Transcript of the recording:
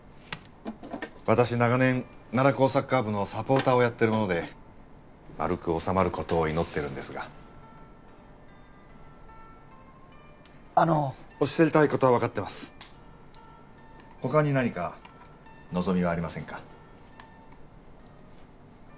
私長年楢高サッカー部のサポーターをやってるもので丸く収まることを祈ってるんですがあのおっしゃりたいことは分かります他に何か望みはありませんか？